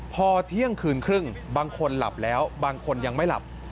พอเที่ยงคืนครึ่งบางคนหลับแล้วบางคนยังไม่หลับ